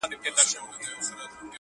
نه یې وېره له انسان وه نه له خدایه؛